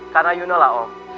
karena you know lah om